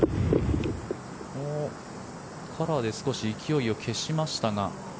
カラーで少し勢いを消しましたが。